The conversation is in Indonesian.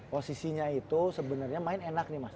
posisinya itu sebenernya main enak nih mas